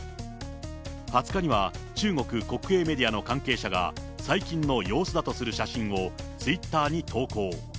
２０日には中国国営メディアの関係者が最近の様子だとする写真をツイッターに投稿。